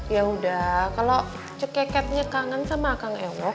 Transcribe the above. yaudah kalau cekeketnya kangen sama akan ewok